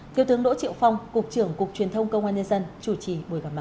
tiêu thương đỗ triệu phong cục trưởng cục truyền thông công an nhân dân chủ trì buổi gặp mặt